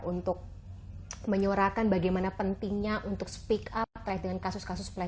untuk menyuarakan bagaimana pentingnya untuk speak up terkait dengan kasus kasus